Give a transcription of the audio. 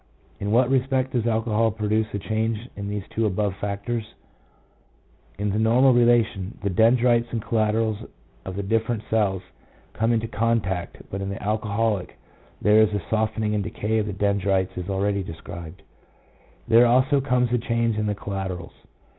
In what respect does alcohol produce a change in these two above factors ? In the normal relation, the dendrites and collaterals of the different cells come into contact, but in the alcoholic there is a softening and decay of the dendrites as already described ; there also comes a change in the collaterals.